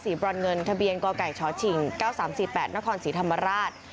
บรอนเงินทะเบียนกไก่ชชิง๙๓๔๘นครศรีธรรมราช